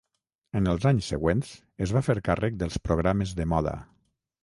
En els anys següents es va fer càrrec dels programes de moda.